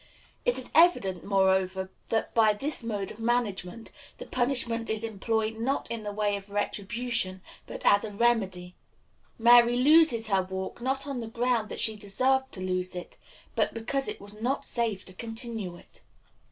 It is evident, moreover, that by this mode of management the punishment is employed not in the way of retribution, but as a remedy. Mary loses her walk not on the ground that she deserved to lose it, but because it was not safe to continue it.